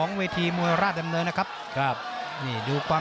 นรินทร์ธรรมีรันดร์อำนาจสายฉลาด